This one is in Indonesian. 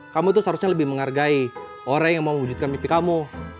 kamu tuh seharusnya lebih menghargai orang yang mau mewujudkan mimpi kamu